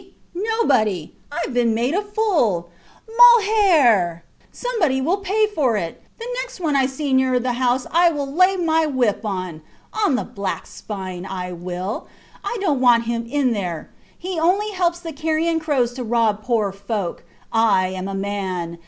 Nobody. Ive been made a fool! Malheur! Somebody will pay for it. The next one I see near the house I will lay my whip on ... on the black spine ... I will. I dont want him in there ... he only helps the carrion crows to rob poor folk. I am a man.